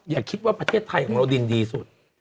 อย่าคิดว่าประเทศไทยของเราดินดีสุด